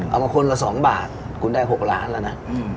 เอามาคนละ๒บาทคุณได้๖ล้านแล้วนะ